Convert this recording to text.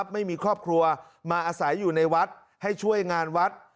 ไม่มีครอบครัวมาอาศัยอยู่ในวัดให้ช่วยงานวัด